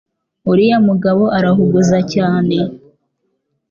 uriya mugabo arahuguza cyane